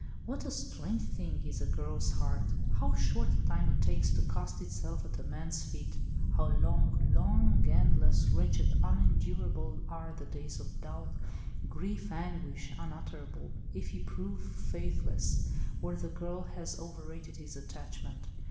What a strange thing is a girl's heart! How short a time it takes to cast itself at a man's feet. How long—long—endless, wretched, unendurable are the days of doubt, grief, anguish unutterable, if he prove faithless, or the girl has over rated his attachment.